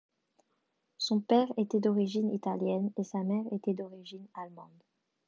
Son père était d'origine italienne et sa mère était d'origine allemande.